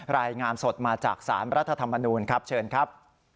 รายงานสดมาจากสารรัฐธรรมนูลครับเชิญครับ